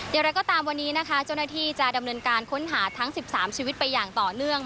อย่างไรก็ตามวันนี้นะคะเจ้าหน้าที่จะดำเนินการค้นหาทั้ง๑๓ชีวิตไปอย่างต่อเนื่อง